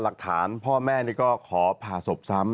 หลักฐานพ่อแม่นี่ก็ขอผ่าศพซ้ำ